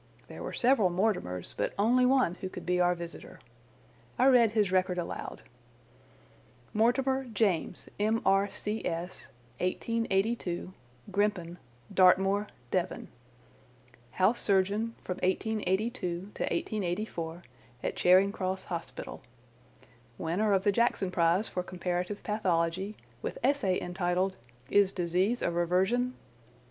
There were several Mortimers, but only one who could be our visitor. I read his record aloud. "Mortimer, James, M.R.C.S., 1882, Grimpen, Dartmoor, Devon. House surgeon, from 1882 to 1884, at Charing Cross Hospital. Winner of the Jackson prize for Comparative Pathology, with essay entitled 'Is Disease a Reversion?